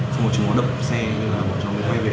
xong rồi chúng nó đập xe bọn cháu mới quay về